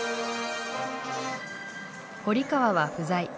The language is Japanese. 堀川は不在。